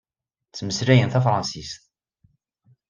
Ttmeslayen tafṛansist.